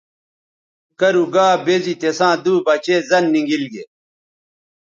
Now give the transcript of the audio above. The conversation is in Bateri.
کرُو گا بے زی تِساں دُو بچے زَن نی گیل گے۔